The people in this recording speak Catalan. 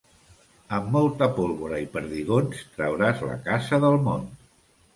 Amb molta pólvora i perdigons trauràs la caça del món.